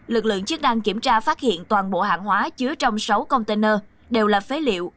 lực lượng chức đang kiểm tra phát hiện toàn bộ hàng hóa chứa trong sáu container đều là phế liệu